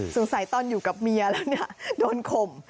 สงสัยตอนอยู่กับเมียแล้วเนี่ยโดนคม